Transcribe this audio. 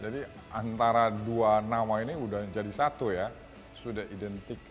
jadi antara dua nama ini sudah jadi satu ya sudah identik